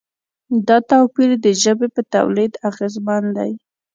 دا توپیر د ژبې په تولید اغېزمن دی.